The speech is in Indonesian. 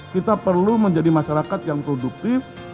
kita perlu menjadi masyarakat yang produktif